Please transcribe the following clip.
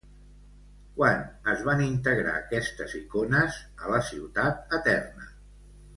Quan es van integrar, aquestes icones, a la ciutat eterna?